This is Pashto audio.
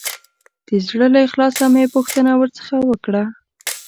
د زړه له اخلاصه مې پوښتنه ورڅخه وکړه.